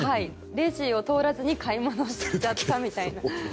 レジを通らずに買い物をしちゃったみたいな。